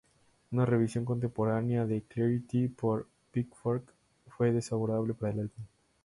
Una revisión contemporánea de "Clarity" por "Pitchfork" fue desfavorable para el álbum.